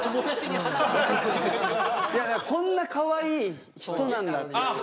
こんなかわいい人なんだって。